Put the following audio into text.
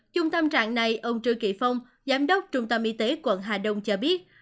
trung tâm trạng này ông trương kỳ phong giám đốc trung tâm y tế quận hà đông cho biết